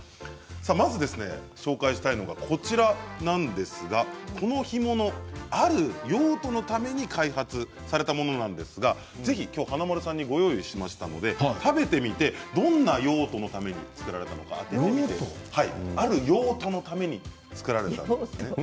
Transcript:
まず紹介したいのがこの干物ある用途のために開発されたものなんですがぜひ今日、華丸さんにご用意しましたので食べてみてどんな用途のために作られたのかある用途のために作られたものです。